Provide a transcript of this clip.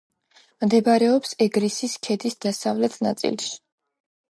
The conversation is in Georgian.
მდებარეობს ეგრისის ქედის დასავლეთ ნაწილში.